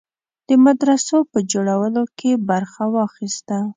د مدرسو په جوړولو کې برخه واخیسته.